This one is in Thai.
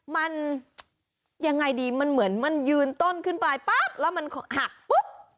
มันยังไงดีมันเหมือนมันยืนต้นขึ้นไปปั๊บแล้วมันหักปุ๊บ